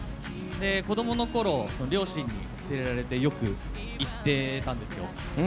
子どものころ、両親に連れられてよく行ってたんですよ。